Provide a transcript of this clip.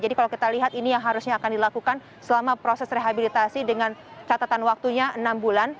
jadi kalau kita lihat ini yang harusnya akan dilakukan selama proses rehabilitasi dengan catatan waktunya enam bulan